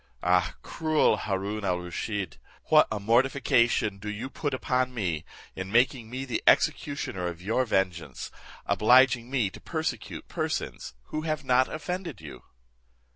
Ah! cruel Haroon al Rusheed! what a mortification do you put upon me, in making me the executioner of your vengeance, obliging me to persecute persons who have not offended you."